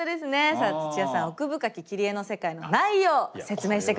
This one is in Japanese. さあ土屋さん「奥深き切り絵の世界」の内容説明して下さい。